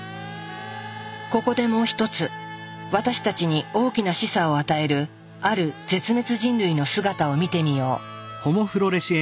ここでもう一つ私たちに大きな示唆を与えるある絶滅人類の姿を見てみよう。